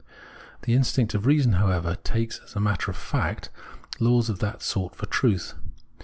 The instinct of reason, however, takes, as a matter of fact, laws of that sort for truth.